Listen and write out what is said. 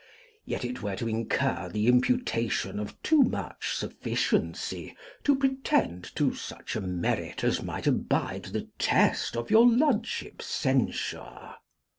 Yet it were to incur the imputation of too much sufficiency to pretend to such a merit as might abide the test of your lordship's censure.